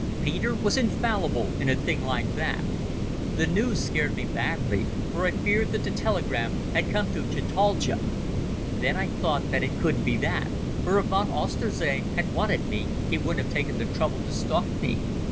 Peter was infallible in a thing like that. The news scared me badly, for I feared that the telegram had come to Chataldja. Then I thought it couldn't be that, for if von Oesterzee had wanted me he wouldn't have taken the trouble to stalk me.